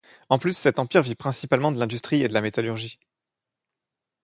En plus, cet empire vit principalement de l'industrie et de la métallurgie.